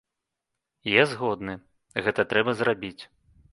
Я згодны, гэта трэба зрабіць.